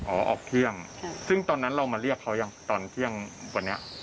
ออกเที่ยงซึ่งตอนนั้นเรามาเรียกเขายังตอนเที่ยงวันนี้